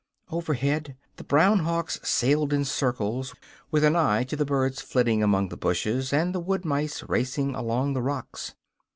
Overhead the brown hawks sailed in circles with an eye to the birds flitting among the bushes and the wood mice racing along the rocks.